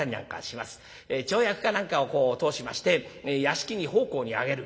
町役かなんかを通しまして屋敷に奉公に上げる。